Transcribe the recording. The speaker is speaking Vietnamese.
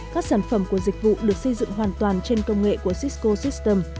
các sản phẩm của dịch vụ được xây dựng hoàn toàn trên công nghệ của cisco systems